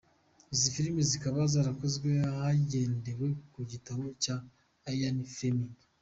Izi filimi zikaba zarakozwe hagendewe ku gitabo cya Ian Fleming.